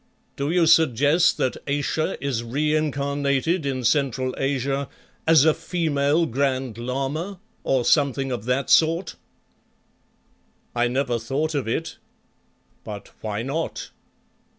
Do you suggest that Ayesha is re incarnated in Central Asia as a female Grand Lama or something of that sort?" "I never thought of it, but why not?"